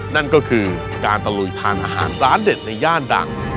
นั่นก็คือการตะลุยทานอาหารร้านเด็ดในย่านดัง